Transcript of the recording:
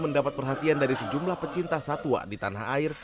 mendapat perhatian dari sejumlah pecinta satwa di tanah air